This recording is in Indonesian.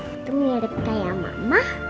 itu mirip kayak mama